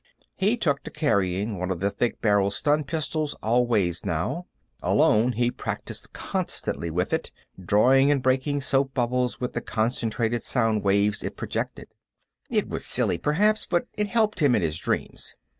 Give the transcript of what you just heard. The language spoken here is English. He took to carrying one of the thick barrelled stun pistols always, now. Alone, he practiced constantly with it, drawing, breaking soap bubbles with the concentrated sound waves it projected. It was silly, perhaps, but it helped him in his dreams.